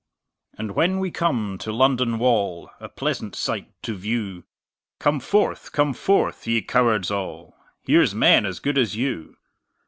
And when we come to London Wall, A pleasant sight to view, Come forth! come forth! ye cowards all: Here's men as good as you.